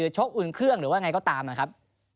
ชกอุ่นเครื่องหรือว่าไงก็ตามนะครับ